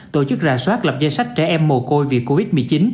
tổ chức rà soát lập danh sách trẻ em mồ côi vì covid một mươi chín